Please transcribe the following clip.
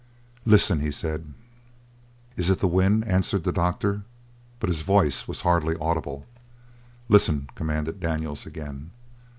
"Listen!" he said. "It is the wind," answered the doctor, but his voice was hardly audible. "Listen!" commanded Daniels again.